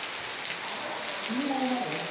「君もうまいね」。